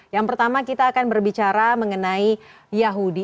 yang pertama kita akan berbicara mengenai yahudi